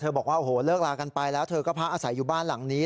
บอกว่าโอ้โหเลิกลากันไปแล้วเธอก็พักอาศัยอยู่บ้านหลังนี้